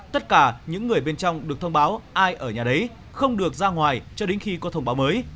tất cả những người bên trong được thông báo ai ở nhà đấy không được ra ngoài cho đến khi có thông báo mới